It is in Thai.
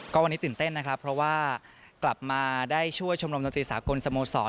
ก็วันนี้ตื่นเต้นนะครับเพราะว่ากลับมาได้ช่วยชมรมดนตรีสากลสโมสร